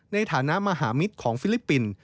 ในฐานะมหามิตรของฟิลิปปินส์